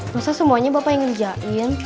masa semuanya bapak yang ngerjain